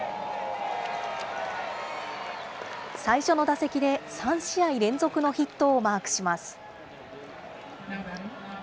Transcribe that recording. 最初の打席で、３試合連続のヒットをマークします。